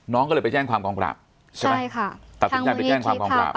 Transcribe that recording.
น้องก็เลยไปแจ้งความคล้องกราบใช่ไหมใช่ค่ะ